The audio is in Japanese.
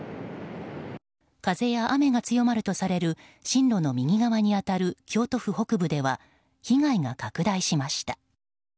風や雨が強まるとされる進路の右側に当たる京都府北部では被害が拡大しました。